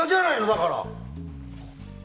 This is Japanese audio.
だから。